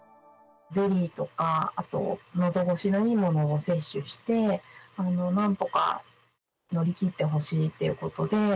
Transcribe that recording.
ゼリーとか、あと、のどごしのいいものを摂取して、なんとか乗り切ってほしいっていうことで。